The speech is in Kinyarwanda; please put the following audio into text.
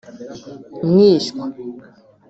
mwishywa